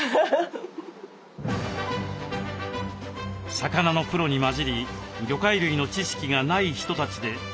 魚のプロに交じり魚介類の知識がない人たちで鮮魚店を始めた理由。